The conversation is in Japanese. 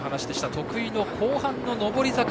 得意の後半の上り坂。